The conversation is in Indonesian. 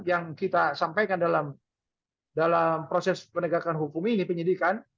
yang kita sampaikan dalam proses penegakan hukum ini penyidikan